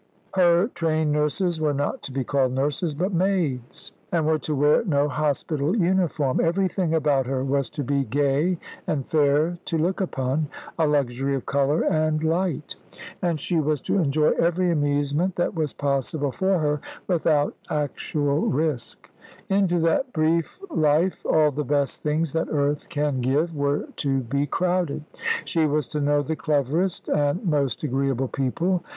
Her trained nurses were not to be called nurses, but maids, and were to wear no hospital uniform. Everything about her was to be gay and fair to look upon a luxury of colour and light. And she was to enjoy every amusement that was possible for her without actual risk. Into that brief life all the best things that earth can give were to be crowded. She was to know the cleverest and most agreeable people.